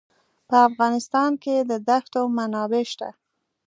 په افغانستان کې د دښتو منابع شته.